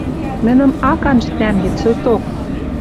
Нӹнӹм ак анжы тӓнгет сойток.